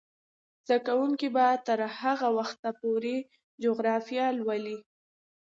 زده کوونکې به تر هغه وخته پورې جغرافیه لولي.